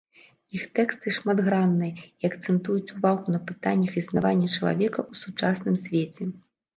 Іх тэксты шматгранныя і акцэнтуюць увагу на пытаннях існавання чалавека ў сучасным свеце.